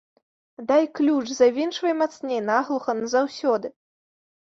Дай ключ, завінчвай мацней, наглуха, назаўсёды.